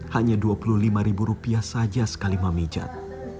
hanya dua puluh lima ribu rupiah saja sekali mamijat